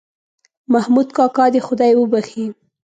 محمود کاکا دې خدای وبښې.